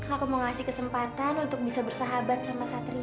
aku mau ngasih kesempatan untuk bisa bersahabat sama satria